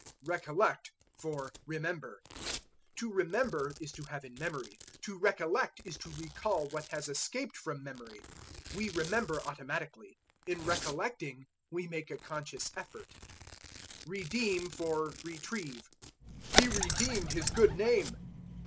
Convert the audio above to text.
Recollect for Remember. To remember is to have in memory; to recollect is to recall what has escaped from memory. We remember automatically; in recollecting we make a conscious effort. Redeem for Retrieve. "He redeemed his good name."